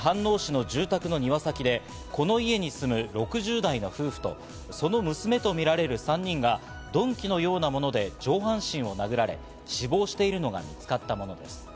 この事件は昨日午前７時すぎ、埼玉県飯能市の住宅の庭先で、この家に住む６０代の夫婦とその娘とみられる３人が鈍器のようなもので上半身を殴られ、死亡しているのが見つかったものです。